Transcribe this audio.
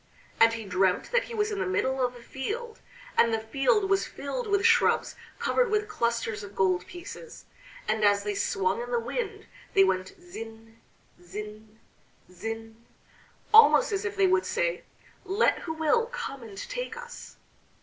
And he dreamt that he was in the middle of a field, and the field was filled with shrubs covered with clusters of gold pieces, and as they swung in the wind they went zin, zin, zin, almost as if they would say: "Let who will come and take us."